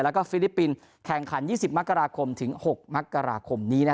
แล้วก็ฟิลิปปินส์แข่งขัน๒๐มกราคมถึง๖มกราคมนี้